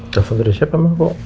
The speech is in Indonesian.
telepon dari siapa mak